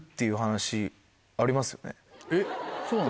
えっそうなの？